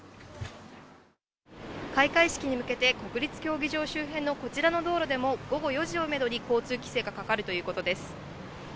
開会式に向けて、国立競技場周辺のこちらの道路でも午後４時をめどに交通規制がかかるということです。